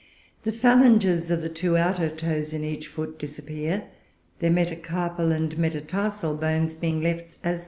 The phalanges of the two outer toes in each foot disappear, their metacarpal and metatarsal bones being left as the "splints."